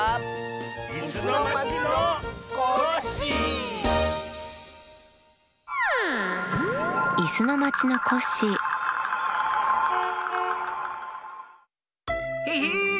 「いすのまちのコッシー」！ヘイヘ−イ！